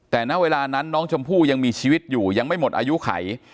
แต่ณเวลานั้นน้องชมพู่ยังมีชีวิตอยู่ยังไม่หมดอายุไข